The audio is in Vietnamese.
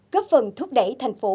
góp phần thúc đẩy thành phố